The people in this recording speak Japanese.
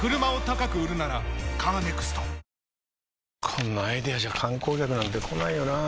こんなアイデアじゃ観光客なんて来ないよなあ